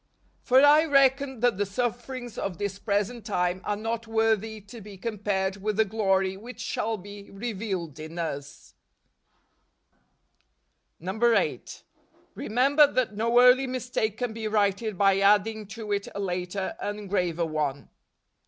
" For I reckon that the sufferings of this present time are not worthy to he compared with the glory which shall he revealed in us" 8. Remember that no early mistake can be righted by adding to it a later and a graver one.